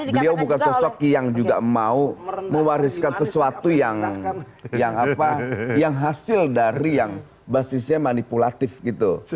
beliau bukan sosok yang juga mau mewariskan sesuatu yang hasil dari yang basisnya manipulatif gitu